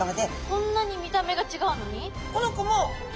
こんなに見た目がちがうのに？